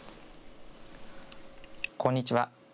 こんにちは。